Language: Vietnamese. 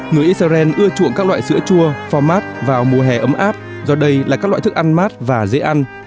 người israel ưa chuộng các loại sữa chua format vào mùa hè ấm áp do đây là các loại thức ăn mát và dễ ăn